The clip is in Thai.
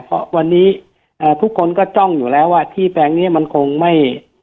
เพราะวันนี้ทุกคนก็จ้องอยู่แล้วว่าที่แปลงนี้มันคงไม่